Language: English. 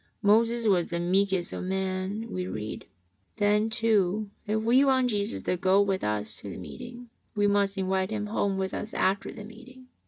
Moses was the meekest of men, w'e read. Then, too, if we want Jesus to go with us to the meeting, we must invite Him home with us after the meeting.